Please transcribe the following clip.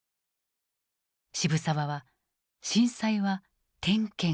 渋沢は震災は「天譴」